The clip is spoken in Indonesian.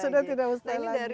sudah tidak mustahil lagi